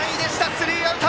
スリーアウト！